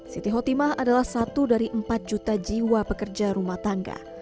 siti khotimah adalah satu dari empat juta jiwa pekerja rumah tangga